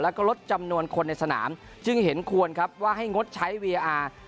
แล้วก็ลดจำนวนคนในสนามจึงเห็นควรครับว่าให้งดใช้วีอาร์